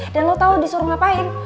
dan lo tau disuruh ngapain